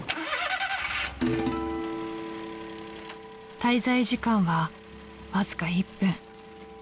［滞在時間はわずか１分］